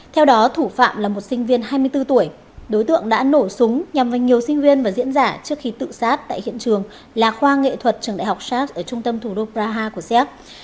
theo đó thủ phạm là một sinh viên hai mươi bốn tuổi đối tượng đã nổ súng nhằm vàonh nhiều sinh viên và diễn giả trước khi tự sát tại hiện trường là khoa nghệ thuật trường đại học sars ở trung tâm thủ đô praha của séc